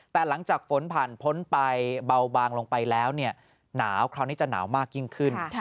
แต่หลังจากฝนผ่านพ้นไปเบาบางลงไปแล้วหนาวคราวนี้จะหนาวมากยิ่งขึ้น